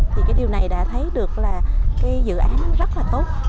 thì cái điều này đã thấy được là cái dự án rất là tốt